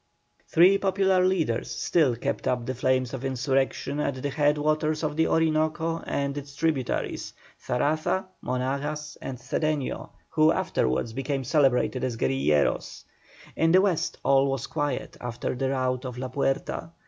Three popular leaders still kept up the flames of insurrection at the head waters of the Orinoco and its tributaries: Zaraza, Monagas, and Cedeño, who afterwards became celebrated as Guerilleros. In the West all was quiet after the rout of La Puerta.